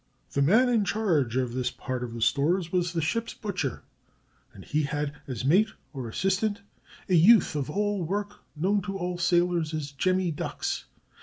The man in charge of this part of the stores was the ship's butcher, and he had as "mate," or assistant, a youth of all work known to all sailors as "Jemmy Ducks."